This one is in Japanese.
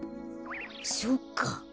そっか。